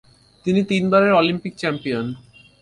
তিনি তিনবারের Olympic champion.